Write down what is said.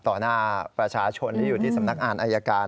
หน้าประชาชนที่อยู่ที่สำนักงานอายการ